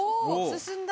進んだ。